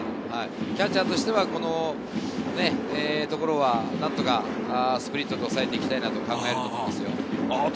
キャッチャーとしてはこのところは何とかスプリットで抑えていきたいなと考えると思います。